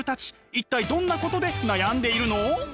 一体どんなことで悩んでいるの？